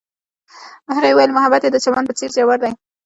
هغې وویل محبت یې د چمن په څېر ژور دی.